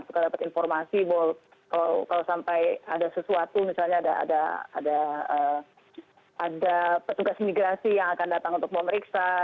suka dapat informasi bahwa kalau sampai ada sesuatu misalnya ada petugas imigrasi yang akan datang untuk memeriksa